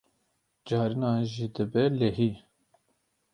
Carinan jî dibe lehî.